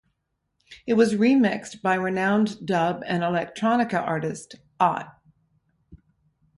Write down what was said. It was mixed by renowned dub and electronica artist Ott.